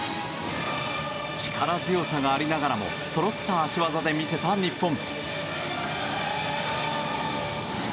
力強さがありながらもそろった脚技で見せた日本。